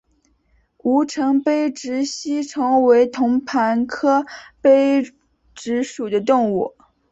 吴城杯殖吸虫为同盘科杯殖属的动物。